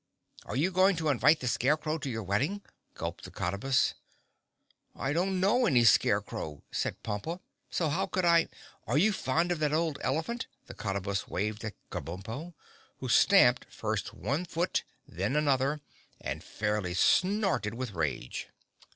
"Are you going to invite the Scarecrow to your wedding?" gulped the Cottabus. "I don't know any Scarecrow," said Pompa, "so how could I?" "Are you fond of that old elephant?" The Cottabus waved at Kabumpo, who stamped first one foot then another and fairly snorted with rage.